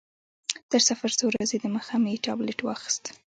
تر سفر څو ورځې دمخه مې ټابلیټ واخیست.